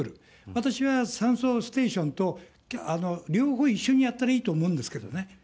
私は酸素ステーションと、両方一緒にやったらいいと思うんですけどね。